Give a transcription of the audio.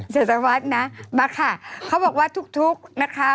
จัดตะวัดนะมาค่ะเขาบอกว่าทุกนะคะ